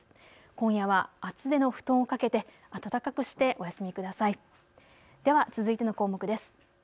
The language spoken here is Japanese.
今夜は厚手の布団をかけて暖かくしてお休みください。では続いての項目です。